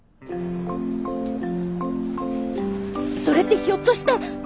それってひょっとして。